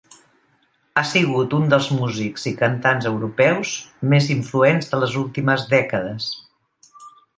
Ha sigut un dels músics i cantants europeus més influents de les últimes dècades.